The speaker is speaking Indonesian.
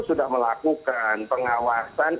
sudah melakukan pengawasan